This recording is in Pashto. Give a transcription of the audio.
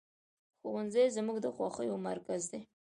ښوونځی زموږ د خوښیو مرکز دی